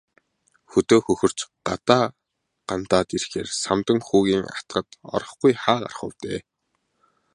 Хөдөө хөхөрч, гадаа гандаад ирэхээрээ Самдан хүүгийн атгад орохгүй хаа гарах вэ дээ.